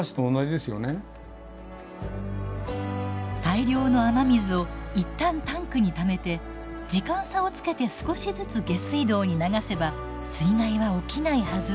大量の雨水をいったんタンクにためて時間差をつけて少しずつ下水道に流せば水害は起きないはず。